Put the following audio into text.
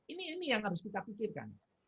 ini yang harus kita pikirkan